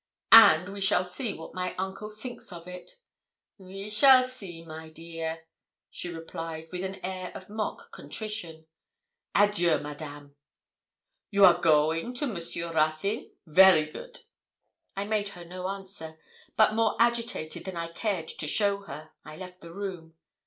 'And we shall see what my uncle thinks of it.' 'We shall see, my dear,' she replied, with an air of mock contrition. 'Adieu, Madame!' 'You are going to Monsieur Ruthyn? very good!' I made her no answer, but more agitated than I cared to show her, I left the room.